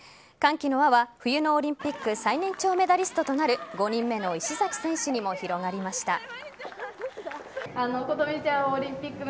歓喜の輪は冬のオリンピック最年長メダリストとなる５人目の石崎選手にも広がりました。